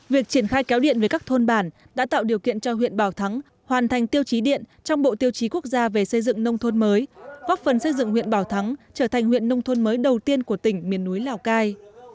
việc triển khai kéo điện về các thôn bản đã tạo điều kiện cho huyện bảo thắng hoàn thành tiêu chí điện trong bộ tiêu chí quốc gia về xây dựng nông thôn mới góp phần xây dựng huyện bảo thắng trở thành huyện nông thôn mới đầu tiên của tỉnh miền núi lào cai